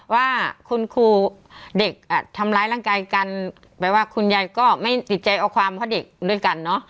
ว่าคุณครูเด็กอ่ะทำร้ายร่างกายกันแปลว่าคุณยายก็ไม่ติดใจเอาความเพราะเด็กด้วยกันเนอะ